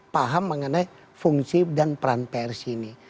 paham mengenai fungsi dan peran pers ini